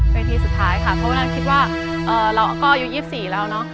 เวทีสุดท้ายค่ะเพราะว่านั้นคิดว่าเราก็อยู่ยี่สิบสี่แล้วเนอะ